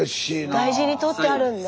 大事に取ってあるんだ。